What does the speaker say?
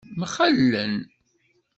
Mxellen.